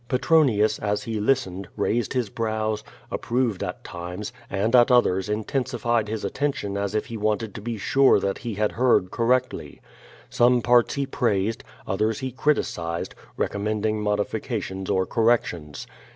Pe tronius, as he listened, raised his brows, approved at times, and at others intensified his attention as if he wanted to be ^j^ QUO VADIS, sure that he had heard correctly. Some parts he praised, others he criticised, recommending modifications or correc tions.